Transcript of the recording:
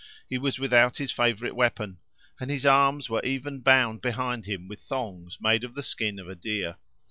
He was without his favorite weapon, and his arms were even bound behind him with thongs, made of the skin of a deer.